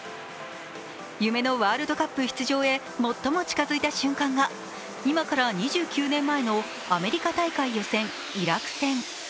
夢のワールドカップ出場へ最も近づいた瞬間が、今から２９年前のアメリカ大会予選、イラク戦。